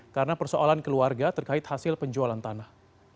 karena persoalan keluarga terkait hasil penjualan tanah